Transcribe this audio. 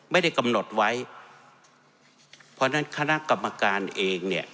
ไม่ได้กำหนดไว้เพราะฉะนั้นคณะกรรมการเองเนี่ย